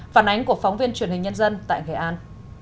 phản ánh của phóng viên truyền hình nhân dân tại nghệ an